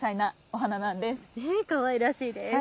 かわいらしいです。